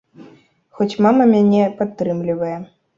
Хоць мама мяне падтрымлівае.